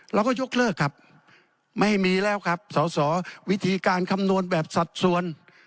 ยกเลิกครับไม่ให้มีแล้วครับสอสอวิธีการคำนวณแบบสัดส่วน